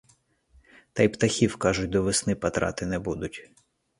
Та й птахів, кажуть, до весни патрати не будуть.